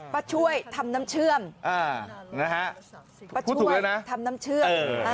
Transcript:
ป้าช่วยทำน้ำเชื่อมนะฮะพูดถูกเลยนะป้าช่วยทำน้ำเชื่อม